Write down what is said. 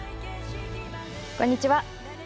こんにちは。